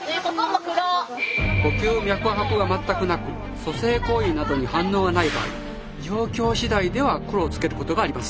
呼吸・脈拍が全くなく蘇生行為などに反応がない場合状況次第では黒をつけることがあります。